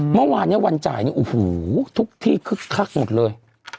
เมื่อวานเนี่ยวันจ่ายเนี่ยโอ้โหทุกที่คึกคักหมดเลย